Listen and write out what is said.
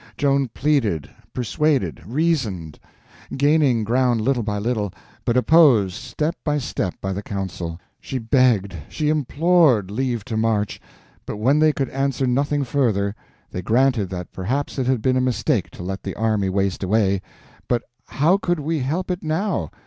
Joan pleaded, persuaded, reasoned; gaining ground little by little, but opposed step by step by the council. She begged, she implored, leave to march. When they could answer nothing further, they granted that perhaps it had been a mistake to let the army waste away, but how could we help it now?